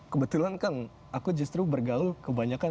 kebetulan kang aku justru bergaul kebanyakan